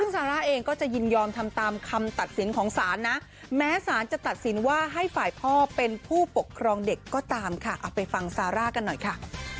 ซึ่งซาร่าเองก็จะยินยอมทำตามคำตัดสินของศาลนะแม้สารจะตัดสินว่าให้ฝ่ายพ่อเป็นผู้ปกครองเด็กก็ตามค่ะเอาไปฟังซาร่ากันหน่อยค่ะ